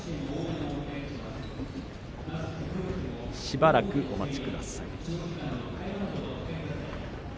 しばらくお待ちください。